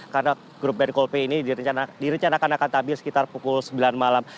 karena grup band coldplay ini direncanakan akan habis sekitar pukul sembilan malam